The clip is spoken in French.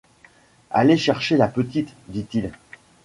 Allez chercher la petite, dit-il.